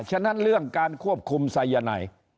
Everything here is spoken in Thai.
ฉะนั้นเรื่องการควบคุมสายนาย